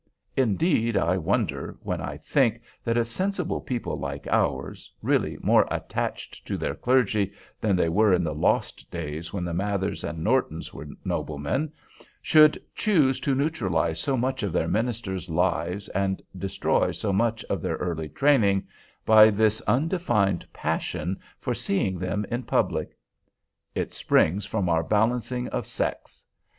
Indeed, I wonder, when I think that a sensible people like ours—really more attached to their clergy than they were in the lost days, when the Mathers and Nortons were noblemen—should choose to neutralize so much of their ministers' lives, and destroy so much of their early training, by this undefined passion for seeing them in public. It springs from our balancing of sects.